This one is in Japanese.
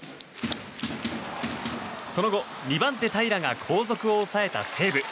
その後、２番手、平良が後続を抑えた西武。